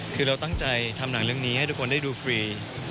คือเราตั้งใจทำหนังเรื่องนี้ให้ทุกคนได้ดูฟรี